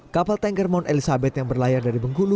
kapal tanker mount elizabeth yang berlayar dari bengkulu